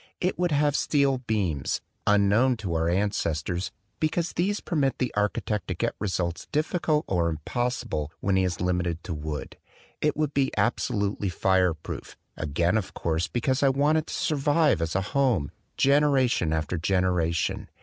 It would have steel beams, un known to our ancestors, because these permit the architect to get results difficult or impos sible when he is limited to wood. It would be absolutely fireproof, again of course, because I want it to survive as a home, generation after generation.